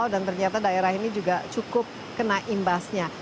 dan ternyata daerah ini juga cukup kena imbasnya